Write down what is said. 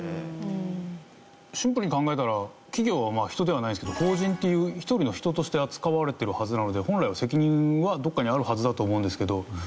シンプルに考えたら企業は人ではないですけど法人っていう１人の人として扱われてるはずなので本来は責任はどこかにあるはずだと思うんですけど。